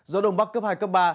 gió đông bắc cấp hai cấp ba